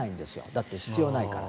だって必要ないから。